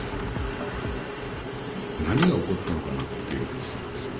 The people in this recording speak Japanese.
何が起こったのかなっていう話なんです。